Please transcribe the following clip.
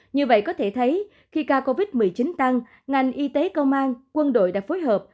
như vậy có thể thấy khi ca covid một mươi chín tăng ngành y tế công an quân đội đã phối hợp